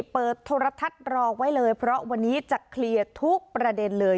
เปิดโทรทัศน์รอไว้เลยเพราะวันนี้จะเคลียร์ทุกประเด็นเลย